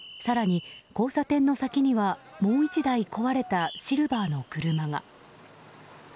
更に交差点の先にはもう１台、壊れたシルバーの車が。